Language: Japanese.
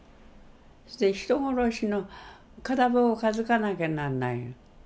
そして人殺しの片棒を担がなきゃなんない。